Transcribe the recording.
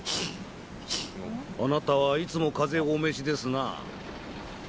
・あなたはいつも風邪をお召しですな。